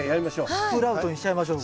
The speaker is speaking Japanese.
スプラウトにしちゃいましょう。